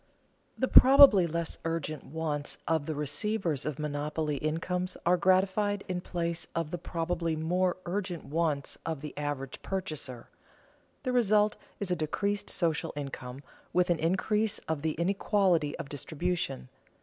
The probably less urgent wants of the receivers of monopoly incomes are gratified in place of the probably more urgent wants of the average purchaser. The result is a decreased social income, with an increase of the inequality of distribution.